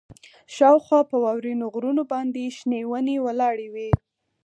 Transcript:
شاوخوا په واورینو غرونو باندې شنې ونې ولاړې وې